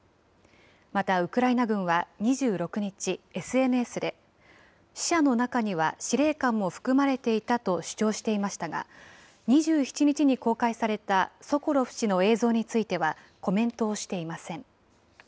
またウクライナ軍は２６日、ＳＮＳで、死者の中には司令官も含まれていたと主張していましたが、２７日に公開されたソコロフ氏の映像については、コメントをしていません。